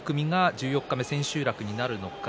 十四日目、千秋楽になるのか。